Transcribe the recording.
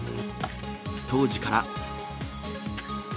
当時から。